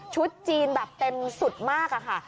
จีนแบบเต็มสุดมากอะค่ะ